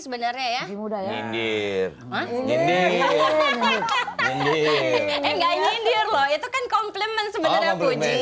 sebenarnya ya mudah ya gendir gendir gendir gendir lo itu kan komplimen sebenarnya pujian